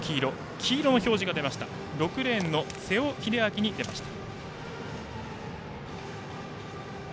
黄色の表示が６レーンの瀬尾英明に出ました。